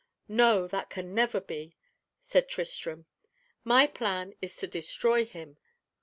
"No, that can never be," said Tristram. "My plan is to destroy him."